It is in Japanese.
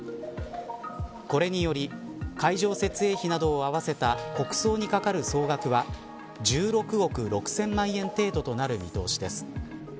これにより、会場設営費などを合わせた国葬にかかる総額は１６億６０００万円程度となる見通しです。